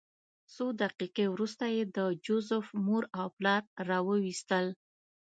څو دقیقې وروسته یې د جوزف مور او پلار راوویستل